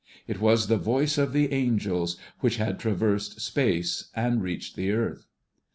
It was the voice of the angels, which had traversed space and reached the earth.